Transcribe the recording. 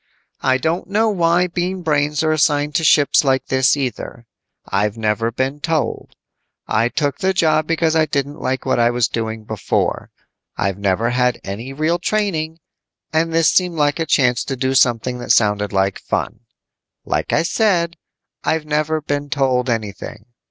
"I don't know why Bean Brains are assigned to ships like this either. I've never been told. I took the job because I didn't like what I was doing before. I've never had any real training, and this seemed like a chance to do something that sounded like fun. "Like I said, I've never been told anything.